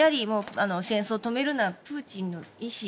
戦争止めるのはプーチンの意思